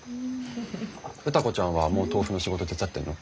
歌子ちゃんはもう豆腐の仕事手伝ってるの？